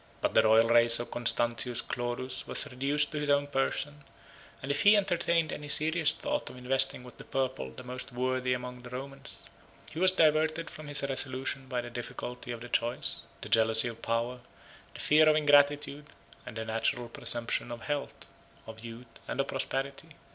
But the royal race of Constantius Chlorus was reduced to his own person; and if he entertained any serious thoughts of investing with the purple the most worthy among the Romans, he was diverted from his resolution by the difficulty of the choice, the jealousy of power, the fear of ingratitude, and the natural presumption of health, of youth, and of prosperity.